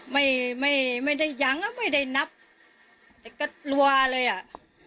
ไม่ไม่ไม่ได้ยังอ่ะไม่ได้นับแต่ก็รัวเลยอ่ะ